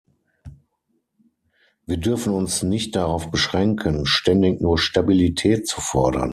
Wir dürfen uns nicht darauf beschränken, ständig nur Stabilität zu fordern.